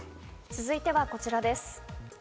続いては、こちらです。